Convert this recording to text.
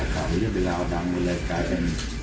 ข่าวเย็บเย็บแล้วดำมือเลยกลายเป็น